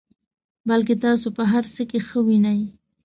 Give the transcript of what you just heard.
بلکې تاسو په هر څه کې ښه وینئ.